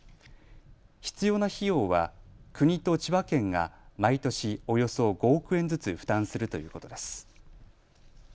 必要な費用は国と千葉県が毎年およそ５億円ずつ負担するということです。